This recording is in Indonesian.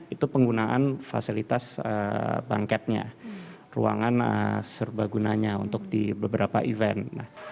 itu penggunaan fasilitas bangketnya ruangan serbagunanya untuk di beberapa event